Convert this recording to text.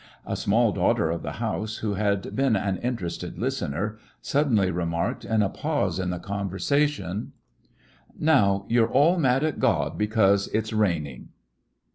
A small daughter of the house, who had been an interested listener, suddenly remarked, in a pause in the conversation : "Now you 're all mad at God because it 's raining